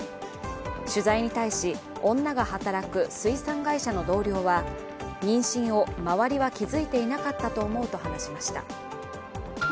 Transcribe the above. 取材に対し、女が働く水産会社の同僚は妊娠を周りは気づいていなかったと思うと話しました。